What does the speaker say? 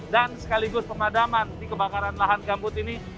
dan sekaligus pemadaman di kebakaran lahan gambut ini